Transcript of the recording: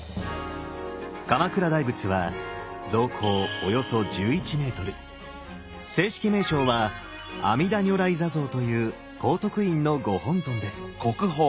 鎌倉大仏は正式名称は「阿弥陀如来坐像」という高徳院のご本尊です。